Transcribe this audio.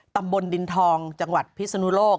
ตำบลดินทองจังหวัดพิศนุโลก